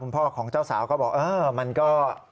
พ่อของเจ้าสาวก็บอกเออมันก็